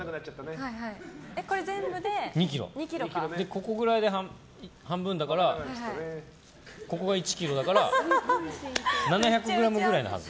ここくらいで半分だからここが１ｋｇだから７００ｇぐらいなはず。